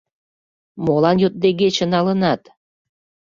Молан йоддегече налынат?